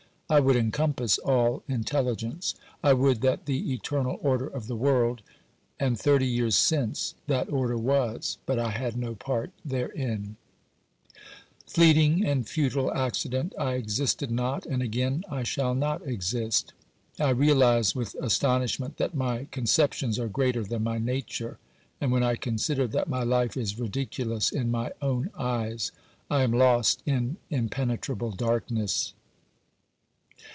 I would encompass all intelli gence, I would that the eternal order of the world. ... And thirty years since, that order was, but I had no part therein ! Fleeting and futile accident, I existed not, and again I shall not exist. I realise with astonishment that my con ceptions are greater than my nature, and when I consider that my life is ridiculous in my own eyes I am lost in im penetrable darkness.